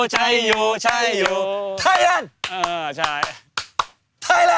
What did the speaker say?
ฮ่ะทรายรันด์